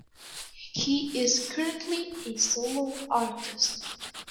He is currently a solo artist.